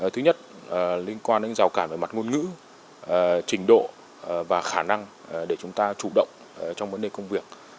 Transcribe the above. thứ nhất liên quan đến rào cản về mặt ngôn ngữ trình độ và khả năng để chúng ta chủ động trong vấn đề công việc